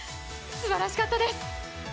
すばらしかったです。